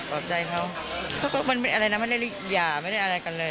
ใจเขาก็มันเป็นอะไรนะไม่ได้หย่าไม่ได้อะไรกันเลย